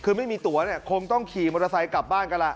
คือไม่มีตัวเนี่ยคงต้องขี่มอเตอร์ไซค์กลับบ้านกันล่ะ